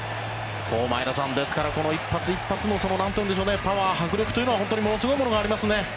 前田さんですからこの１発１発のパワー、迫力というのはものすごいものがありますね。